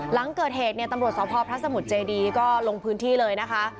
หลังเกิดเหตุเนี่ยตำรวจสพพระสมุทรเจดีก็ลงพื้นที่เลยนะคะ